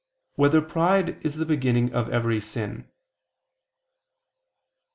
2] Whether Pride Is the Beginning of Every Sin?